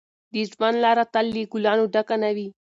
د ژوند لاره تل له ګلانو ډکه نه وي.